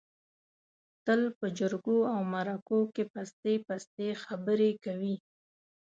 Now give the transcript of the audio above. تل په جرگو او مرکو کې پستې پستې خبرې کوي.